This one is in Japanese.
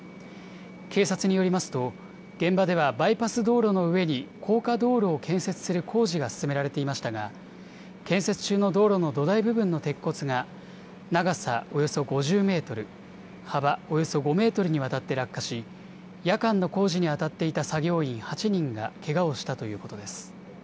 警察によりますと現場ではバイパス道路の上に高架道路を建設する工事が進められていましたが建設中の道路の土台部分の鉄骨が長さおよそ５０メートル、幅およそ５メートルにわたって落下し夜間の工事にあたっていた作業員８人がけがをしたということです。